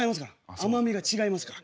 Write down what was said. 甘みが違いますから。